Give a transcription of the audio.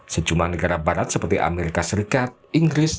sejumlah negara barat seperti amerika serikat inggris